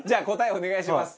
お願いします。